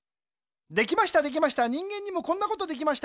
できましたできました人間にもこんなことできました。